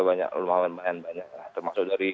lumayan lumayan banyak termasuk dari